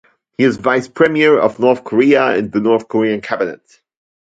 He is Vice Premier of North Korea in the North Korean Cabinet.